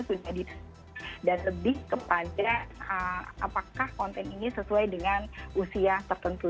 sensor itu sudah ditentukan dan lebih kepada apakah konten ini sesuai dengan usia tertentu